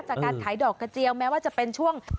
จากการขายดอกกระเจียวแม้ว่าจะเป็นช่วง